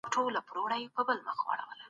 تاسو په دې برخه کي ډېر کار کولی شئ.